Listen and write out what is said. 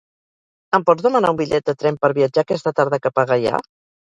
Em pots demanar un bitllet de tren per viatjar aquesta tarda cap a Gaià?